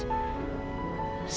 saya juga gak menyangka